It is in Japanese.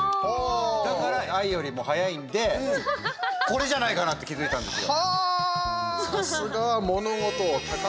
だから、「Ｉ」よりも早いんでこれじゃないかなって気づいたんですよ。